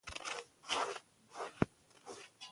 ښوونکي هڅه کوي چې شاګردان ښه وروزي.